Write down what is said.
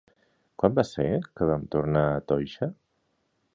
Quan va ser que vam anar a Toixa?